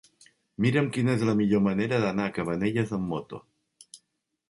Mira'm quina és la millor manera d'anar a Cabanelles amb moto.